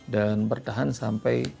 dan bertahan sampai